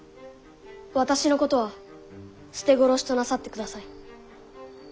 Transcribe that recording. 私のことは捨て殺しとなさってください。